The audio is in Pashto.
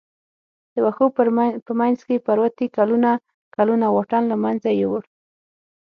د وښو په منځ کې پروتې کلونه کلونه واټن له منځه یووړ.